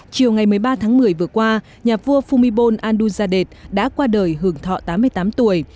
chiều ngày một mươi ba tháng một mươi vừa qua nhà vua fumibon anduzadeh đã qua đời hưởng thọ tám mươi tám tuổi